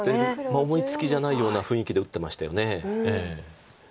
思いつきじゃないような雰囲気で打ってましたよね。